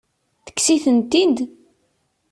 Tekkes-itent-id?